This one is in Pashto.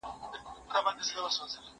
زه بايد لوبه وکړم؟!